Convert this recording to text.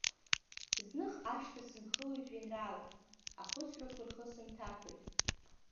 Зных ашьҭа сынхылоит жәеинраалак, ахәыцрақәа рхы сынҭаԥоит…